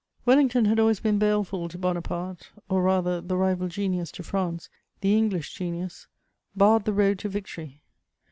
Wellington had always been baleful to Bonaparte, or rather the rival genius to France, the English genius, barred the road to victory.